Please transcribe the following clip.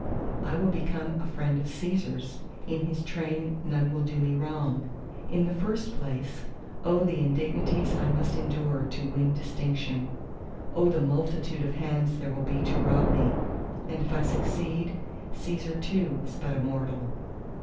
I will become a friend of Cæsar's! in his train none will do me wrong! In the first place—O the indignities I must endure to win distinction! O the multitude of hands there will be to rob me! And if I succeed, Cæsar too is but a mortal.